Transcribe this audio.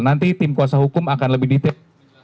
nanti tim kuasa hukum akan lebih detail